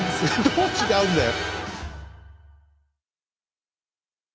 どう違うんだよ。